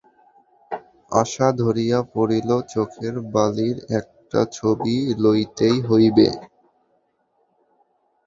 আশা ধরিয়া পড়িল, চোখের বালির একটা ছবি লইতেই হইবে।